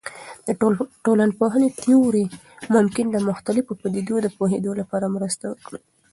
د ټولنپوهنې تیورۍ ممکن د مختلفو پدیدو د پوهیدو لپاره مرسته وکړي.